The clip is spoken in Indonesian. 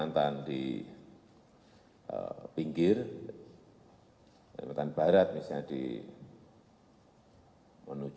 tadi udah yang marunda yang manus